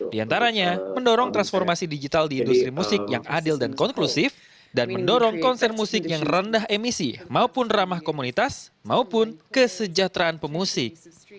di antaranya mendorong transformasi digital di industri musik yang adil dan konklusif dan mendorong konser musik yang rendah emisi maupun ramah komunitas maupun kesejahteraan pemusik